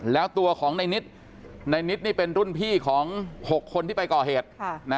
แล้วตัวของในนิดนี่เป็นรุ่นพี่ของ๖คนที่ไปก่อเหตุ